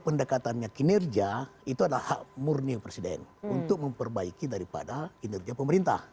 pendekatannya kinerja itu adalah hak murni presiden untuk memperbaiki daripada kinerja pemerintah